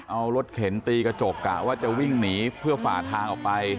เอารถเข็นตีกระจกกะว่าจะวิ่งหนีเพื่อฝ่าทางออกไป